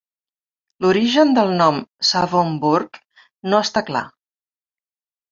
L'origen del nom "Savonburg" no està clar.